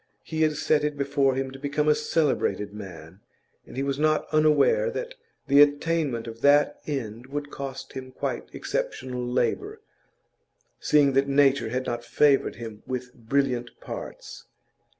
He had set it before him to become a celebrated man, and he was not unaware that the attainment of that end would cost him quite exceptional labour, seeing that nature had not favoured him with brilliant parts.